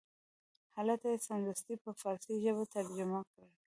هلته یې سمدستي په فارسي ژبه ترجمه کړ.